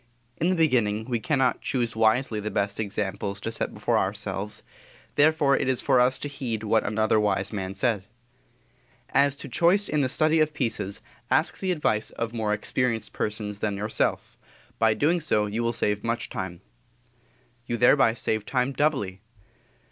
In the beginning, we cannot choose wisely the best examples to set before ourselves; therefore it is for us to heed what another wise man said: "As to choice in the study of pieces, ask the advice of more experienced persons than yourself; by so doing you will save much time." You thereby save time doubly.